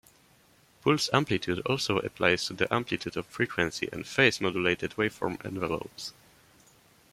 Pulse amplitude also applies to the amplitude of frequency- and phase-modulated waveform envelopes.